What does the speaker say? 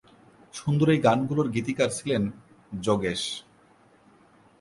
সুন্দর এই গানগুলোর গীতিকার ছিলেন যোগেশ।